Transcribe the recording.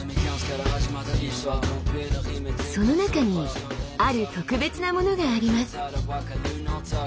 その中にある特別なものがあります。